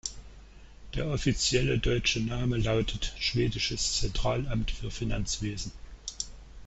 Der offizielle deutsche Name lautet: Schwedisches Zentralamt für Finanzwesen.